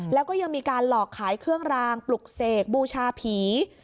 แล้วก็ยังมีการหลอกขายเครื่องรางปลุกเสกบูชาผี